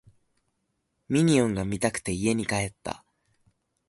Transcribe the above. ミニオンが見たくて家に帰った